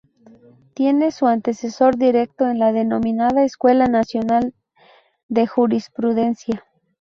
Tiene su antecesor directo en la denominada Escuela Nacional de Jurisprudencia.